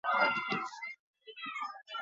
Lana ibarra Lokizko mendilerroaren azpian dago.